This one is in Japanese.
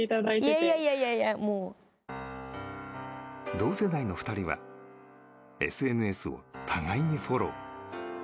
同世代の２人はＳＮＳを互いにフォロー。